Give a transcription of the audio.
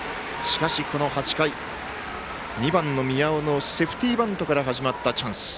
この８回、２番の宮尾のセーフティーバントから始まったチャンス。